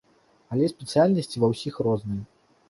Але спецыяльнасці ва ўсіх розныя.